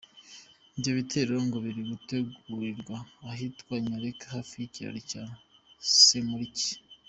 Ibyo bitero ngo biri gutegurirwa ahitwa Nyaleke hafi y’ikiraro cya Semuliki.